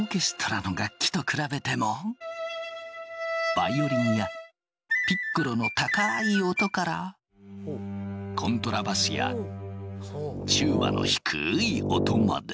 バイオリンやピッコロの高い音からコントラバスやチューバの低い音まで。